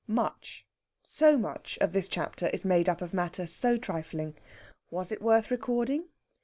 Much, so much, of this chapter is made up of matter so trifling. Was it worth recording?